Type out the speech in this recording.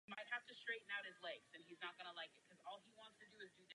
Zároveň si musíme být vědomi složitosti situace.